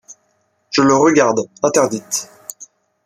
Je le regarde, interdite.